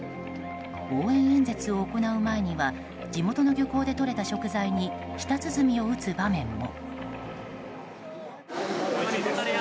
応援演説を行う前には地元の漁港でとれた食材に舌鼓を打つ場面も。